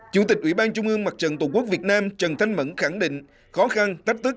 chủ tịch ủy ban trung ương mặt trận tổ quốc việt nam trần thanh mẫn khẳng định khó khăn